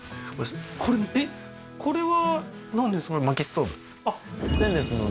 これえっこれはなんですか？